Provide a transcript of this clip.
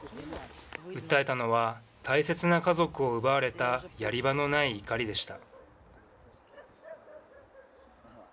訴えたのは、大切な家族を奪われたやり場のない怒りでした。